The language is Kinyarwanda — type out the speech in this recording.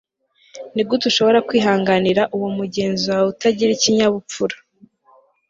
Nigute ushobora kwihanganira uwo mugenzi wawe utagira ikinyabupfura